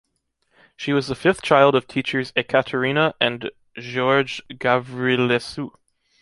She was the fifth child of teachers Ecaterina and Gheorghe Gavrilescu.